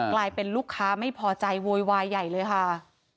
กลายเป็นลูกค้าไม่พอใจโวยวายใหญ่เลยค่ะ